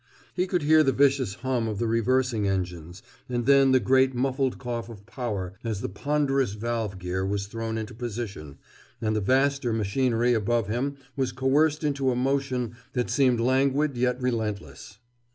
He could hear the vicious hum of the reversing engines, and then the great muffled cough of power as the ponderous valve gear was thrown into position and the vaster machinery above him was coerced into a motion that seemed languid yet relentless.